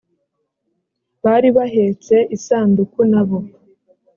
bari bahetse isanduku nabo